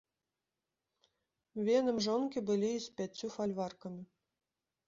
Венам жонкі былі і з пяццю фальваркамі.